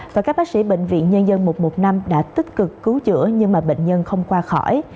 và các bác sĩ bệnh viện nhân dân một trăm một mươi năm đã tích cực cứu chữa nhưng mà bệnh nhân không qua khỏi